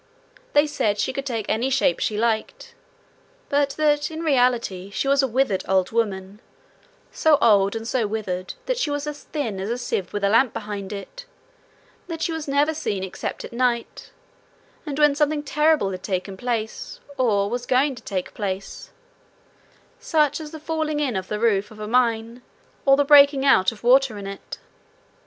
They said she could take any shape she liked, but that in reality she was a withered old woman, so old and so withered that she was as thin as a sieve with a lamp behind it; that she was never seen except at night, and when something terrible had taken place, or was going to take place such as the falling in of the roof of a mine, or the breaking out of water in it.